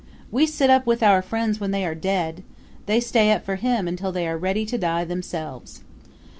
We sit up with our friends when they are dead; they stay up for him until they are ready to die themselves.